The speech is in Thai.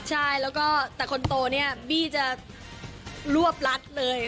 ใช่แล้วก็แต่คนโตเนี่ยบี้จะรวบรัดเลย